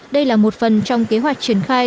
đây là một phần trong kế hoạch triển khai